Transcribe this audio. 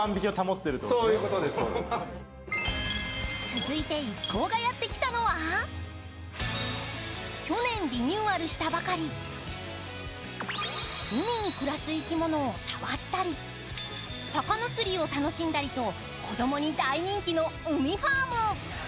続いて一行がやってきたのは去年リニューアルしたばかり、海に暮らす生き物を触ったり魚釣りを楽しんだりと子供に大人気の、うみファーム。